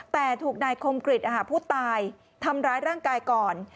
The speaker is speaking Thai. แต่ถูกนายคมกริจผู้ตายทำร้ายร่างกายก่อน